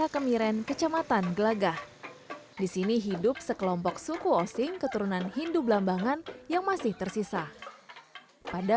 ketukan kayu pada lesung itu bisa menghasilkan alunan musik yang membuat saya ingin bergoyang